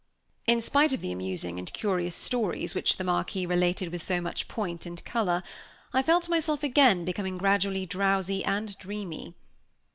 In spite of the amusing and curious stories which the Marquis related with so much point and color, I felt myself again becoming gradually drowsy and dreamy.